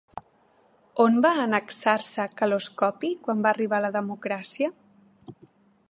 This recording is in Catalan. On va annexar-se Kaloskopi quan va arribar la democràcia?